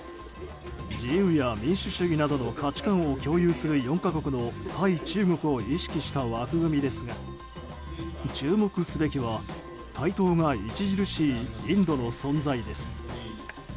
自由や民主主義などの価値観を共有する４か国の対中国を意識した枠組みですが注目すべきは台頭が著しいインドの存在です。